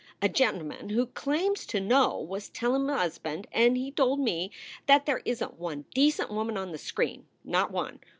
"A gent man who claims to know was telling m usband and he told me that there isn t one decent woman on the screen not one.